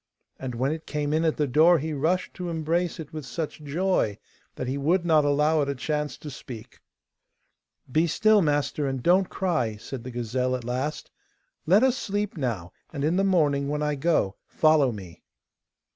And when it came in at the door he rushed to embrace it with such joy that he would not allow it a chance to speak. 'Be still, master, and don't cry,' said the gazelle at last; 'let us sleep now, and in the morning, when I go, follow me.